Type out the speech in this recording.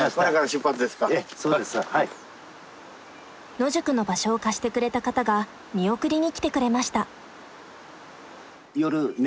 野宿の場所を貸してくれた方が見送りに来てくれました。